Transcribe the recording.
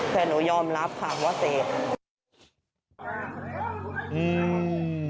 แต่หนูยอมรับค่ะว่าเสพ